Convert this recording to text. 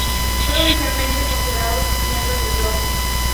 Fueron inicialmente consideradas miembros del Gro.